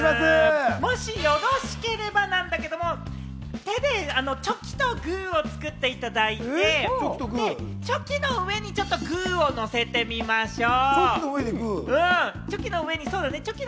もしよろしければなんだけれども、チョキとグーを作っていただいて、チョキの上にグーをのせてみましょう。